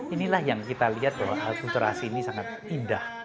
inilah yang kita lihat bahwa akulturasi ini sangat indah